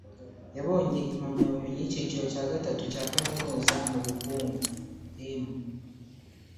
yabonye impamyabumenyi y’icyiciro cya gatatu cya Kaminuza mu bukungu (M